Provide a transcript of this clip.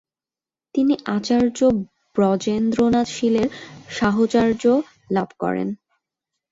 তিনি আচার্য ব্রজেন্দ্রনাথ শীলের সাহচর্য লাভ করেন।